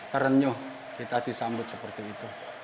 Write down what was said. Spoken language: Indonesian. terenyuh kita disambut seperti itu